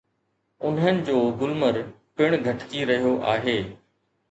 انهن جو گلمر پڻ گهٽجي رهيو آهي.